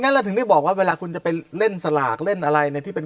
เราถึงได้บอกว่าเวลาคุณจะไปเล่นสลากเล่นอะไรในที่เป็น